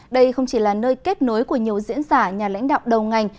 đây không chỉ là nơi kết nối của nhiều diễn giả nhà lãnh đạo đầu ngành